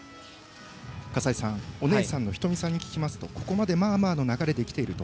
笠井さん、お姉さんの瞳さんに聞きますとここまでまあまあの流れで来てると。